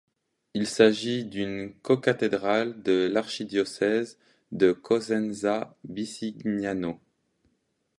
Il s'agit d'une cocathédrale de l'archidiocèse de Cosenza-Bisignano.